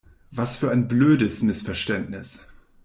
Was für ein blödes Missverständnis!